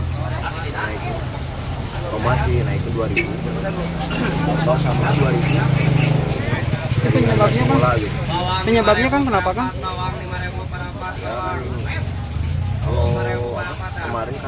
karena mahal itu terkebiasaan biasanya